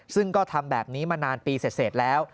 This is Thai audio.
ซึ่งก็ทำแบบนี้มานานปีเสร็จแล้ว